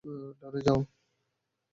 ডানে যাও।